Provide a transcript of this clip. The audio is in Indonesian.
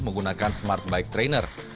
menggunakan smart bike trainer